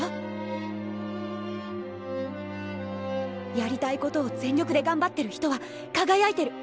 やりたいことを全力で頑張ってる人は輝いてる！